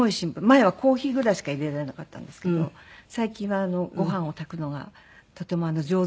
前はコーヒーぐらいしかいれられなかったんですけど最近はご飯を炊くのがとても上手になって。